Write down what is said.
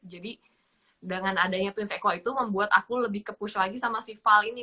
jadi dengan adanya twin seiko itu membuat aku lebih ke push lagi sama si val ini